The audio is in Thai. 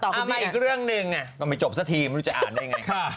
เอามาอีกเรื่องหนึ่งต้องไปจบซะทีไม่รู้จะอ่านได้ยังไง